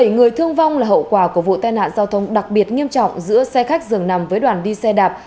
bảy người thương vong là hậu quả của vụ tai nạn giao thông đặc biệt nghiêm trọng giữa xe khách dường nằm với đoàn đi xe đạp